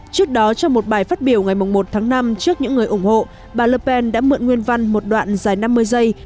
trước đó trong một bài phát biểu ngày một tháng năm trước những người ủng hộ bà lepen đã mượn nguyên văn một đoạn dài năm mươi giây